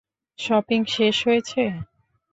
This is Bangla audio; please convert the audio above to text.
শপিং শেষ হয়েছে?